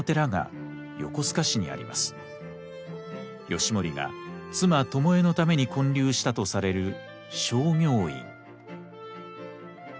義盛が妻巴のために建立したとされる正行院。